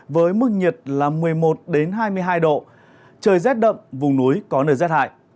với mức nhiệt là một mươi một hai mươi hai độ trời rét đậm vùng núi có nơi rét hại